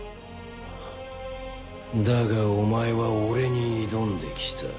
だがお前は俺に挑んできた。